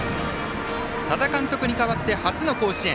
多田監督に代わって初の甲子園。